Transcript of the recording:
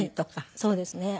そうですね。